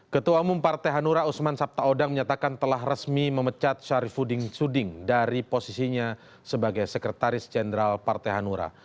ketua umum partai hanura usman sabtaodang menyatakan telah resmi memecat syarifuding suding dari posisinya sebagai sekretaris jenderal partai hanura